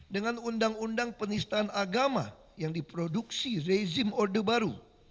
dengan undang undang penistaan agama yang diproduksi rezim orde baru